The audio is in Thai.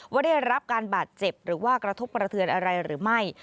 ว่าได้รับการบาดเจ็บหรือว่ากระทบกระเทือนอะไรหรือไม่